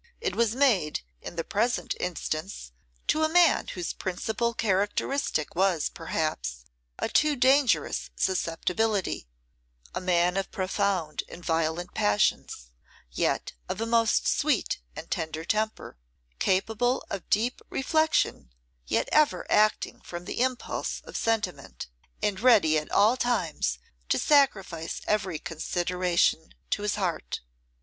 It was made, in the present instance, to a man whose principal characteristic was, perhaps, a too dangerous susceptibility; a man of profound and violent passions, yet of a most sweet and tender temper; capable of deep reflection, yet ever acting from the impulse of sentiment, and ready at all times to sacrifice every consideration to his heart.